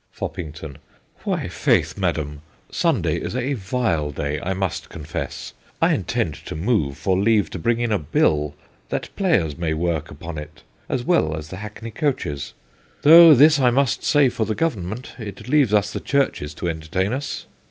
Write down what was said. FOPPINGTON. Why faith, Madam, Sunday is a vile day, I must confess ; I intend to move for leave to bring in a Bill, that players may work upon it, as well as the hackney coaches. Tho' this I must say for the Government, it leaves us the churches to entertain us.